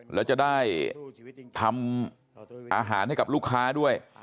แล้วจะได้ทำอาหารให้กับลูกค้าด้วย